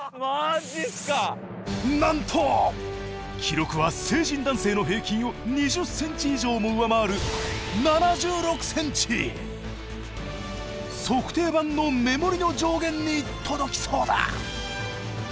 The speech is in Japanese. なんと記録は成人男性の平均を２０ｃｍ以上も上回る測定板の目盛りの上限に届きそうだ。